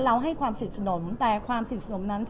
เราให้ความสินสนม